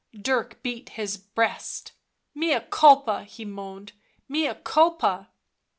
Dirk beat his breast. u Mea culpa 2" he moaned. "Mea culpa!"